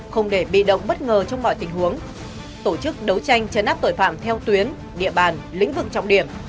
không để bị động bất ngờ trong mọi tình huống tổ chức đấu tranh chấn áp tội phạm theo tuyến địa bàn lĩnh vực trọng điểm